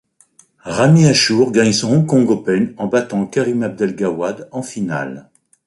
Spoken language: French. Ramy Ashour gagne son Hong Kong Open, en battant Karim Abdel Gawad en finale.